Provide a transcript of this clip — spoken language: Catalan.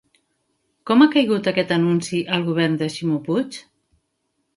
Com ha caigut aquest anunci al govern de Ximo Puig?